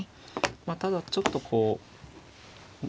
まあただちょっとこう。